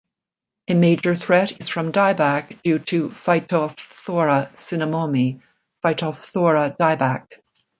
A major threat is from dieback due to "Phytophthora cinnamomi" (Phytophthora dieback).